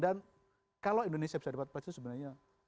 dan kalau indonesia bisa dapat emas itu sebenarnya